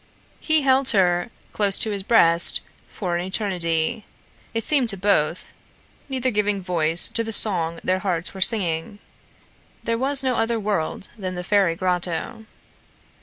He held her close to his breast for an eternity, it seemed to both, neither giving voice to the song their hearts were singing. There was no other world than the fairy grotto.